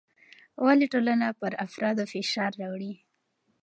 ولې ټولنه پر افرادو فشار راوړي؟